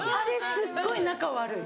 すっごい仲悪い。